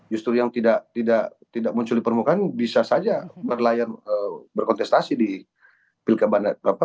justru yang tidak muncul di permukaan bisa saja berlayar berkontestasi di pilkada